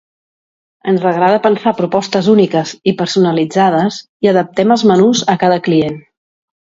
Ens agrada pensar propostes úniques i personalitzades, i adaptem els menús a cada client.